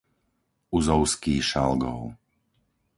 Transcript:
Uzovský Šalgov